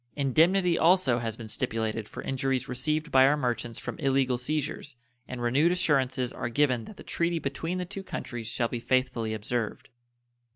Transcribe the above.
Indemnity also has been stipulated for injuries received by our merchants from illegal seizures, and renewed assurances are given that the treaty between the two countries shall be faithfully observed.